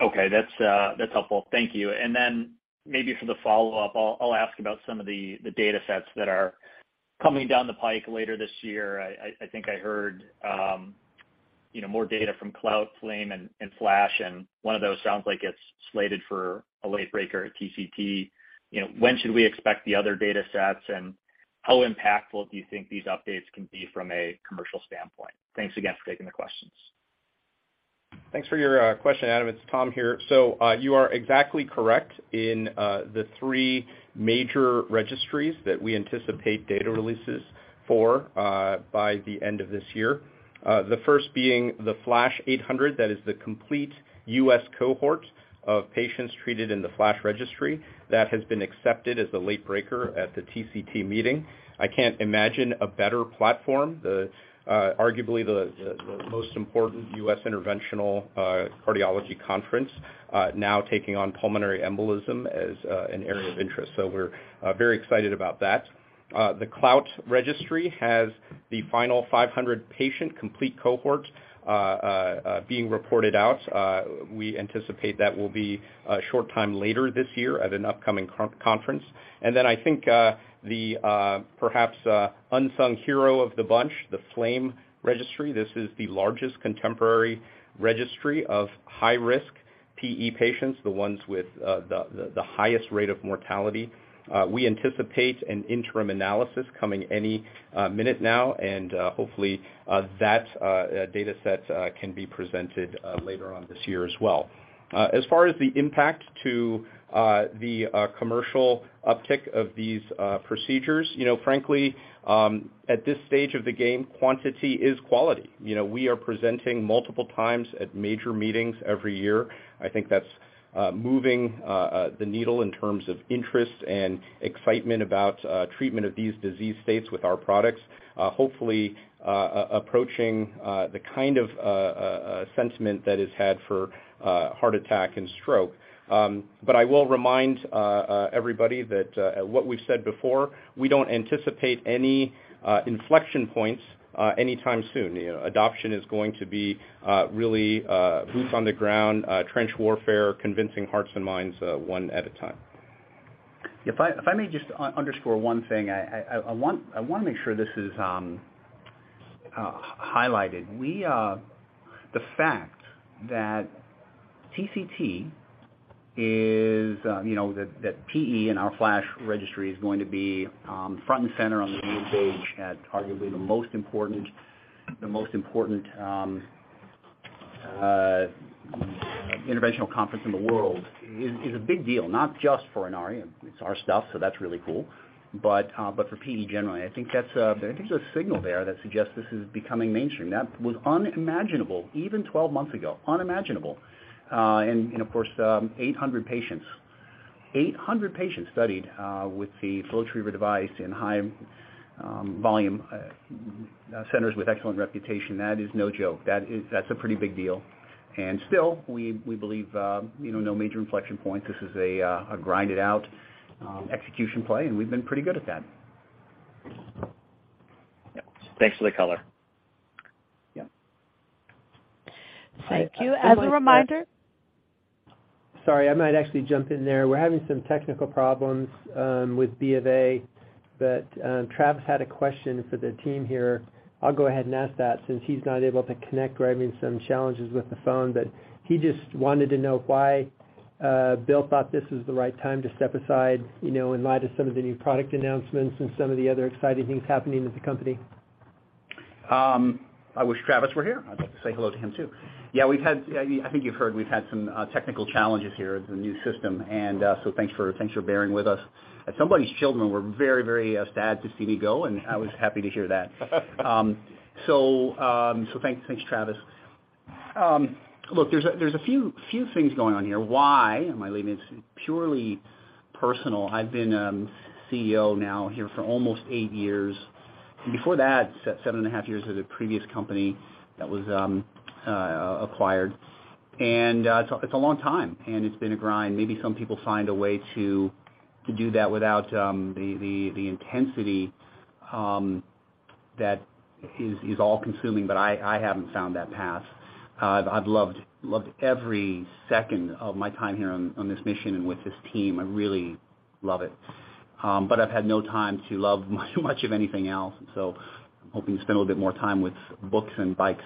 Okay. That's helpful. Thank you. Maybe for the follow-up, I'll ask about some of the data sets that are coming down the pike later this year. I think I heard, you know, more data from CLOUT, FLAME, and FLASH, and one of those sounds like it's slated for a late breaker at TCT. You know, when should we expect the other data sets, and how impactful do you think these updates can be from a commercial standpoint? Thanks again for taking the questions. Thanks for your question, Adam. It's Tom here. You are exactly correct in the three major registries that we anticipate data releases for by the end of this year. The first being the FLASH 800. That is the complete US cohort of patients treated in the FLASH registry. That has been accepted as the late breaker at the TCT meeting. I can't imagine a better platform. Arguably the most important US interventional cardiology conference now taking on pulmonary embolism as an area of interest. We're very excited about that. The CLOUT registry has the final 500 patient complete cohort being reported out. We anticipate that will be a short time later this year at an upcoming conference. I think perhaps the unsung hero of the bunch, the FLAME registry. This is the largest contemporary registry of high-risk PE patients, the ones with the highest rate of mortality. We anticipate an interim analysis coming any minute now, and hopefully that data set can be presented later on this year as well. As far as the impact to the commercial uptick of these procedures, you know, frankly, at this stage of the game, quantity is quality. You know, we are presenting multiple times at major meetings every year. I think that's moving the needle in terms of interest and excitement about treatment of these disease states with our products, hopefully approaching the kind of sentiment that is had for heart attack and stroke. I will remind everybody that what we've said before, we don't anticipate any inflection points anytime soon. You know, adoption is going to be really boots on the ground, trench warfare, convincing hearts and minds one at a time. If I may just underscore one thing, I want to make sure this is highlighted. The fact that TCT is, you know, that PE and our FLASH registry is going to be front and center on the main stage at arguably the most important interventional conference in the world is a big deal, not just for Inari. It's our stuff, so that's really cool. For PE generally, I think there's a signal there that suggests this is becoming mainstream. That was unimaginable even 12 months ago. Unimaginable. Of course, 800 patients studied with the FlowTriever device in high volume centers with excellent reputation. That is no joke. That's a pretty big deal. Still, we believe you know no major inflection point. This is a grind-it-out execution play, and we've been pretty good at that. Yeah. Thanks for the color. Yeah. Thank you. As a reminder. Sorry, I might actually jump in there. We're having some technical problems with Bank of America, but Travis had a question for the team here. I'll go ahead and ask that since he's not able to connect. We're having some challenges with the phone, but he just wanted to know why Bill thought this was the right time to step aside, you know, in light of some of the new product announcements and some of the other exciting things happening with the company. I wish Travis were here. I'd like to say hello to him too. Yeah, I think you've heard we've had some technical challenges here with the new system, so thanks for bearing with us. Somebody's children were very sad to see me go, and I was happy to hear that. So thanks, Travis. Look, there's a few things going on here. Why am I leaving? It's purely personal. I've been CEO now here for almost eight years, and before that, seven and a half years at a previous company that was acquired. It's a long time, and it's been a grind. Maybe some people find a way to do that without the intensity that is all-consuming, but I haven't found that path. I've loved every second of my time here on this mission and with this team. I really love it. But I've had no time to love much of anything else, and so I'm hoping to spend a little bit more time with books and bikes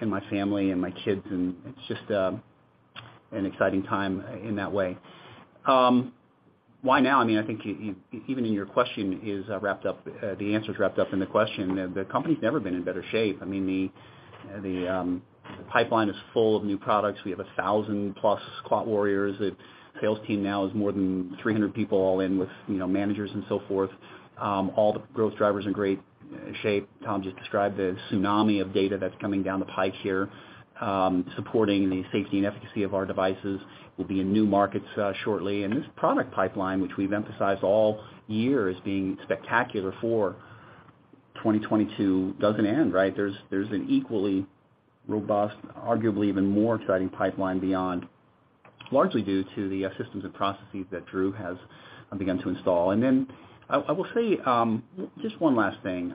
and my family and my kids, and it's just an exciting time in that way. Why now? I mean, I think even in your question is the answer is wrapped up in the question. The company's never been in better shape. I mean, the pipeline is full of new products. We have 1,000 plus clot warriors. The sales team now is more than 300 people all in with, you know, managers and so forth. All the growth drivers in great shape. Tom just described the tsunami of data that's coming down the pike here, supporting the safety and efficacy of our devices. We'll be in new markets shortly. This product pipeline, which we've emphasized all year as being spectacular for 2022 doesn't end, right? There's an equally robust, arguably even more exciting pipeline beyond, largely due to the systems and processes that Drew has begun to install. Then I will say just one last thing.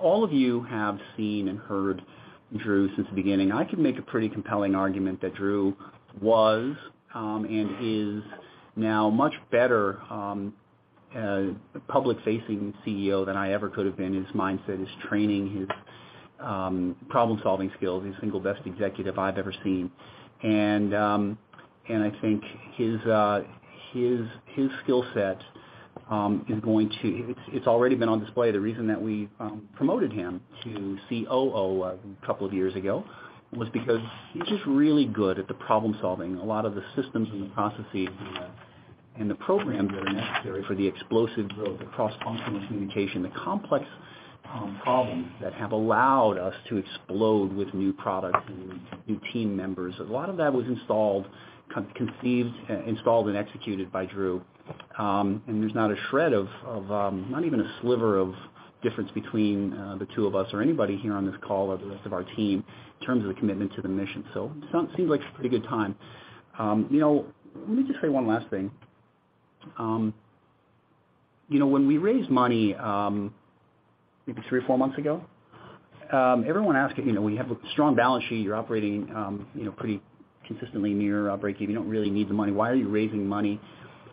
All of you have seen and heard Drew since the beginning. I can make a pretty compelling argument that Drew was and is now much better public-facing CEO than I ever could have been. His mindset, his training, his problem-solving skills. He's the single best executive I've ever seen. I think his skill set is already on display. The reason that we promoted him to COO a couple of years ago was because he's just really good at the problem-solving. A lot of the systems and the processes and the programs that are necessary for the explosive growth, the cross-functional communication, the complex problems that have allowed us to explode with new products and new team members, a lot of that was installed, conceived, installed, and executed by Drew. There's not a shred of, not even a sliver of difference between the two of us or anybody here on this call or the rest of our team in terms of the commitment to the mission. Seems like a pretty good time. You know, let me just say one last thing. You know, when we raised money, maybe three or four months ago, everyone asking, you know, when you have a strong balance sheet, you're operating, you know, pretty consistently near breakeven, you don't really need the money, why are you raising money?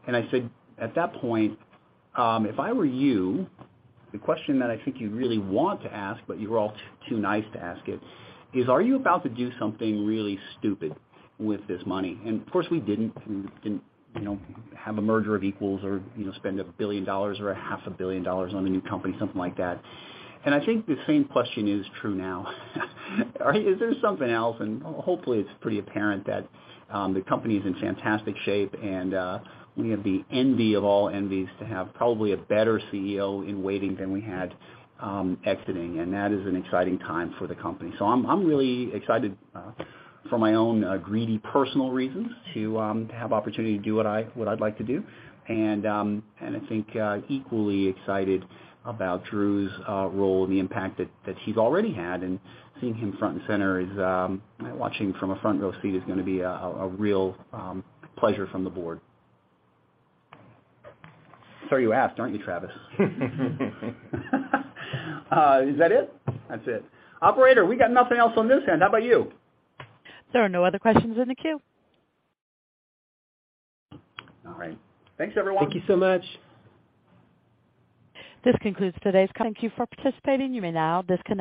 I said, at that point, if I were you, the question that I think you really want to ask, but you're all too nice to ask it, is, are you about to do something really stupid with this money? Of course, we didn't, you know, have a merger of equals or, you know, spend $1 billion or half a billion dollars on a new company, something like that. I think the same question is true now. Is there something else? Hopefully, it's pretty apparent that the company's in fantastic shape, and we have the envy of all envies to have probably a better CEO in waiting than we had exiting. That is an exciting time for the company. I'm really excited for my own greedy personal reasons to have opportunity to do what I'd like to do. I think equally excited about Drew's role and the impact that he's already had, and seeing him front and center is Watching from a front row seat is gonna be a real pleasure from the board. You asked, aren't you, Travis? Is that it? That's it. Operator, we got nothing else on this end. How about you? There are no other questions in the queue. All right. Thanks, everyone. Thank you so much. This concludes today's call. Thank you for participating. You may now disconnect.